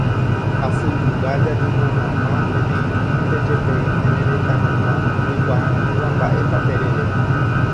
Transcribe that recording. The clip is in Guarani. Hasynunga jajuhu hag̃ua peteĩmínte jepe ñane retãygua oikuaa'ỹva mba'épa terere.